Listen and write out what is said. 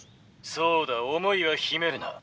「そうだ思いは秘めるな。